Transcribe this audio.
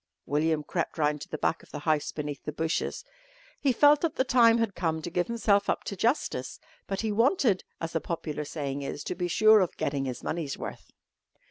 William crept round to the back of the house beneath the bushes. He felt that the time had come to give himself up to justice, but he wanted, as the popular saying is, to be sure of "getting his money's worth."